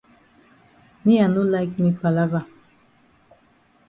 Me I no like me palava.